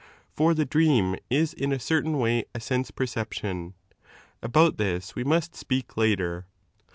For the dream is in a certain way a ae pereeption. About this we must speak later.